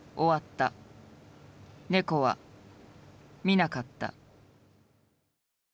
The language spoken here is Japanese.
ネコは見なかった。